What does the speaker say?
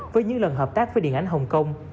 với những lần hợp tác với điện ảnh hồng kông